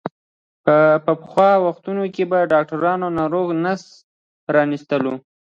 په پخوا وختونو کې به ډاکترانو د ناروغ نس پرانستلو.